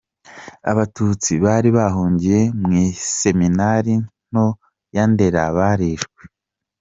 Abatutsi bari bahungiye mu Iseminari Nto ya Ndera, barishwe.